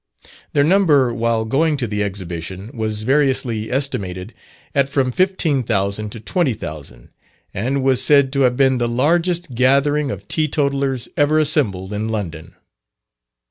Their number while going to the Exhibition, was variously estimated at from 15,000 to 20,000, and was said to have been the largest gathering of Teetotalers ever assembled in London.